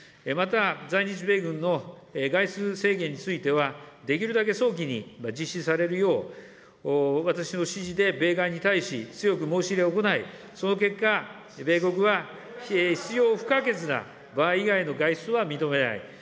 また、在日米軍の外出制限については、できるだけ早期に実施されるよう、私の指示で米側に対し、強く申し入れを行い、その結果、米国は必要不可欠な場合以外の外出は認めない。